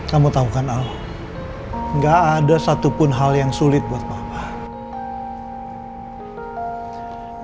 kamu tau kan al nggak ada satupun hal yang sulit buat papa